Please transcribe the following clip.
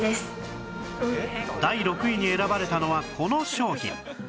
第６位に選ばれたのはこの商品